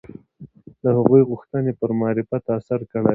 د هغوی غوښتنې پر معرفت اثر کړی دی